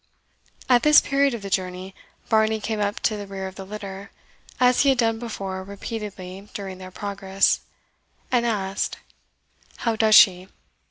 At this period of the journey Varney came up to the rear of the litter, as he had done before repeatedly during their progress, and asked, "How does she?"